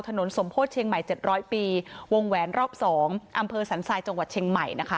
ถนนสมโพธิเชียงใหม่จับร้อยปีวงแวนรอบสองอำเภอสนทรายจังหวัดเชียงใหม่นะคะ